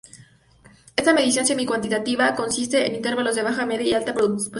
Esta medición semi-cuantitativa consiste en intervalos de baja, media y alta positividad.